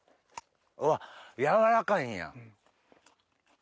うわっ柔らかいんや。